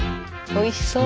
おいしそう！